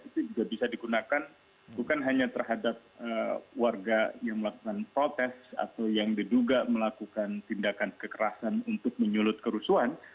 itu juga bisa digunakan bukan hanya terhadap warga yang melakukan protes atau yang diduga melakukan tindakan kekerasan untuk menyulut kerusuhan